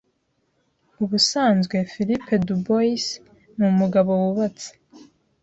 ubusanzwe philippe dubois ni umugabo wubatse